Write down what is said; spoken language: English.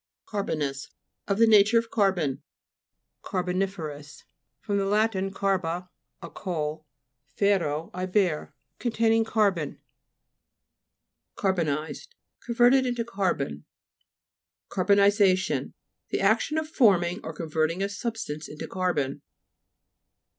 CAR'BONOUS Of the nature of car bon. CARBOXI'FEROUS fr. lat. carbo, a coal, fero, I bear. Containing carbon. CAR'BOJT ISEB Converted into carbon. CARBONTSA'TION The action of forming or converting a substance into carbon.